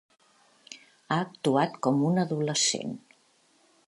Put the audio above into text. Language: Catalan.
Ha actuat com un adolescent.